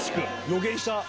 予言した。